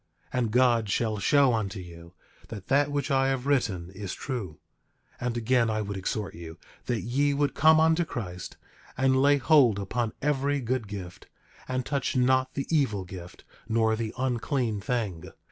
10:29 And God shall show unto you, that that which I have written is true. 10:30 And again I would exhort you that ye would come unto Christ, and lay hold upon every good gift, and touch not the evil gift, nor the unclean thing.